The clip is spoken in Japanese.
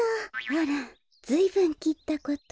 あらずいぶんきったこと。